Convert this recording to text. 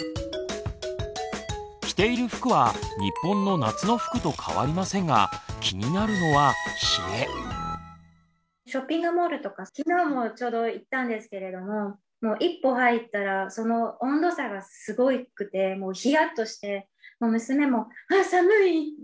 着ている服は日本の夏の服と変わりませんが気になるのはショッピングモールとか昨日もちょうど行ったんですけれども一歩入ったらその温度差がすごくてヒヤッとしてもう娘も「あ寒い！」ひと言。